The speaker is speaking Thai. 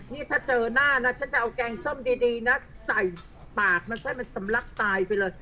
นี่ถ้าเจอหน้านะฉันจะเอาแกงส้มดีนะใส่ปากมันซะให้มันสำลักตายไปเลย